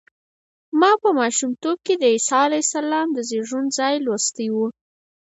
ما په ماشومتوب کې د عیسی علیه السلام د زېږون ځای لوستی و.